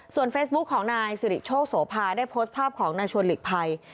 เฟซบุ๊คของนายสิริโชคโสภาได้โพสต์ภาพของนายชวนหลีกภัย